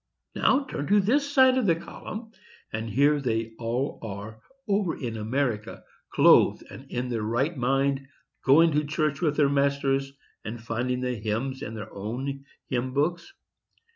Now, turn to this side of the column, and here they all are, over in America, clothed and in their right mind, going to church with their masters, and finding the hymns in their own hymn books.